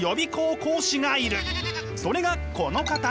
それがこの方！